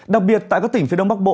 đặc biệt tại các tỉnh phía đông bắc bộ